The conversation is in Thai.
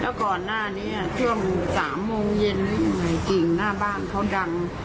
แล้วก่อนหน้านี้่ะช่วงสามโมงเย็นทิ่งหน้าบ้านเขาดัง